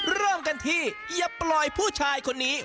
เริ่มกันที่อย่าปล่อยผู้ชายคนนี้